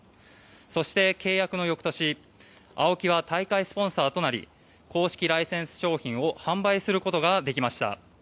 そして、契約の翌年ＡＯＫＩは大会スポンサーとなり公式ライセンス商品を販売することができました。